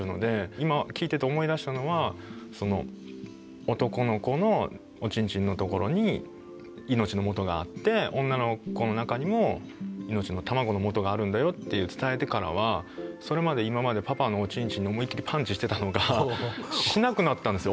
今聞いてて思い出したのは男の子のおちんちんのところに命のもとがあって女の子の中にも命の卵のもとがあるんだよって伝えてからはそれまで今までパパのおちんちんに思いっきりパンチしてたのがしなくなったんですよ。